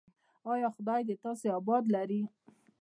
ایا خدای دې تاسو اباد لري؟